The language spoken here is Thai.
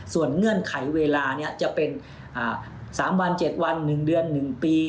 ส่วนเงื่อนไขเวลานี้จะเป็น๓วัน๗วัน๑เดือน๑ปี